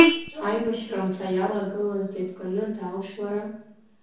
Аибашьра-мца иалагылаз, дебганы дааушь лара?